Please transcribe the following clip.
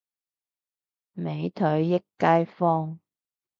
美腿益街坊